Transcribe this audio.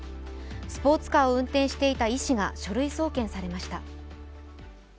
スポーツカーを運転していた医師が書類送検されました。